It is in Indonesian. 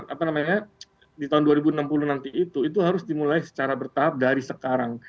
apa namanya di tahun dua ribu enam puluh nanti itu itu harus dimulai secara bertahap dari sekarang